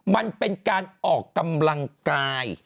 มันเป็นการออกกำลังกาย